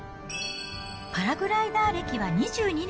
パラグライダー歴は２２年。